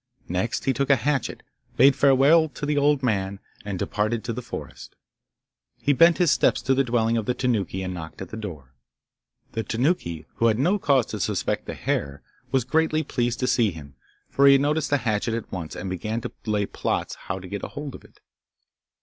Next he took a hatchet, bade farewell to the old man, and departed to the forest. He bent his steps to the dwelling of the Tanuki and knocked at the door. The Tanuki, who had no cause to suspect the hare, was greatly pleased to see him, for he noticed the hatchet at once, and began to lay plots how to get hold of it.